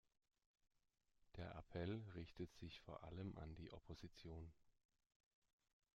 Der Appell richtet sich vor allem an die Opposition.